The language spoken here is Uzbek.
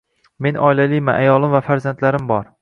Men oilaliman, ayolim va farzandlarim bor